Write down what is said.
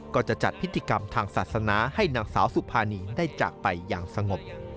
ก็จะจัดพิธีกรรมทางศาสนาให้นางสาวสุภานีได้จากไปอย่างสงบ